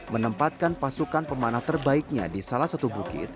menempatkan pasukan pemanah terbaiknya di salah satu bukit